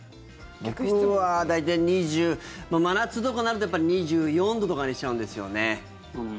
僕は大体２０真夏とかになるとやっぱり２４度とかにしちゃうんですよね。